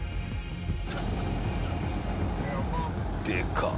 でかっ！